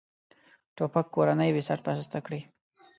توپک کورنۍ بېسرپرسته کړي.